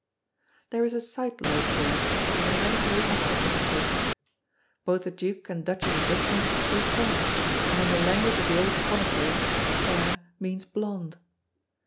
There is a side light here of the hereditary aspect of the case. Both the Duke and Duchess of Richmond were "fayre," and in the language of the old chroniclers "fayre" means blonde.